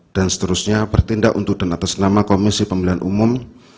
dan seterusnya bertindak untuk dan atas nama komisi pembelian umum